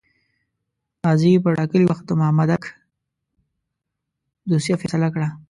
قاضي پر ټاکلي وخت د مامدک دوسیه فیصله کړه.